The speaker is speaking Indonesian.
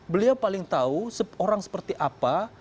beliau paling tahu orang seperti apa